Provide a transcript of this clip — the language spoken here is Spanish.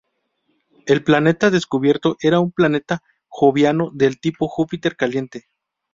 El planeta descubierto era un Planeta joviano del tipo Júpiter caliente.